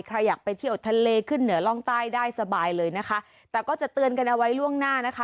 ใครอยากไปเที่ยวทะเลขึ้นเหนือร่องใต้ได้สบายเลยนะคะแต่ก็จะเตือนกันเอาไว้ล่วงหน้านะคะ